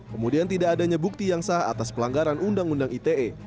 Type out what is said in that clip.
kemudian tidak adanya bukti yang sah atas pelanggaran undang undang ite